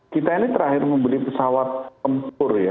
kita ini terakhir membeli pesawat tempur ya